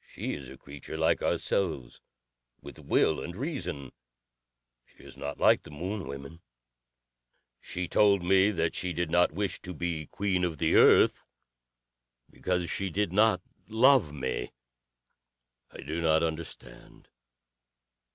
She is a creature like ourselves with will and reason. She is not like the Moon women. She told me that she did not wish to be queen of the Earth because she did not love me. I do not understand.